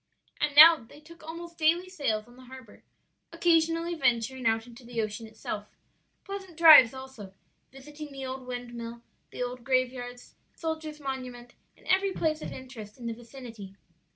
And now they took almost daily sails on the harbor, occasionally venturing out into the ocean itself; pleasant drives also; visiting the old windmill, the old graveyards, the soldiers' monument, and every place of interest in the vicinity.